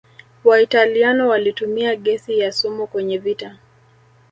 waitaliano walitumia gesi ya sumu kwenye vita